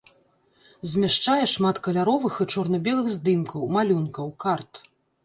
Змяшчае шмат каляровых і чорна-белых здымкаў, малюнкаў, карт.